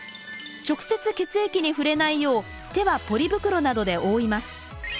直接血液に触れないよう手はポリ袋などで覆います。